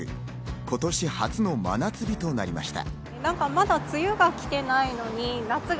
今年初の真夏日となりました。